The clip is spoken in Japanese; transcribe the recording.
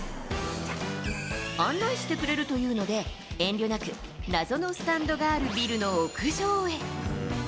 案内してくれるというので、遠慮なく、謎のスタンドがあるビルの屋上へ。